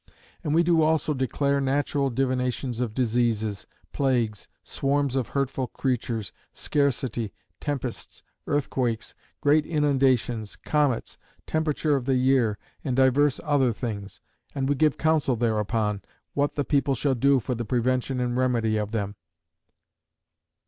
And we do also declare natural divinations of diseases, plagues, swarms of hurtful creatures, scarcity, tempests, earthquakes, great inundations, comets, temperature of the year, and divers other things; and we give counsel thereupon, what the people shall do for the prevention and remedy of them."